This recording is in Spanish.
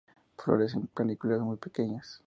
Flores en panículas, muy pequeñas.